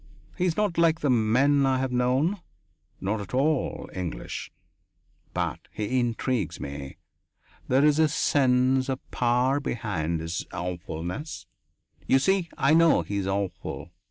He is not like the men I have known not at all English. But he intrigues me; there is a sense of power behind his awfulness you see I know that he is awful!